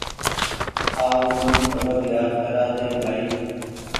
آو من سبق يآد ڪرآ ۮي بآئي